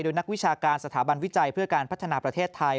โดยนักวิชาการสถาบันวิจัยเพื่อการพัฒนาประเทศไทย